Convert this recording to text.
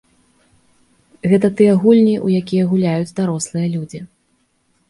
Гэта тыя гульні, у якія гуляюць дарослыя людзі.